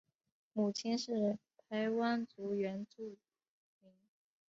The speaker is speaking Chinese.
母亲是排湾族原住民。